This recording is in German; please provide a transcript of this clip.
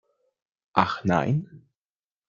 Ach nein?